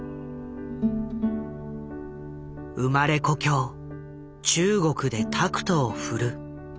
生まれ故郷中国でタクトを振る。